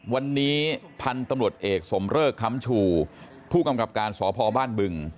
วันนี้พันธุ์ตำรวจเอกสมเริกค้ำชูผู้กำกับการสพบ้านบึง